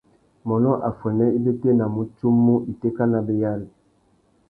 Mônô affuênê i bétēnamú tsumu itéka nabéyari.